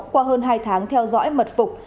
qua hơn hai tháng theo dõi mật phục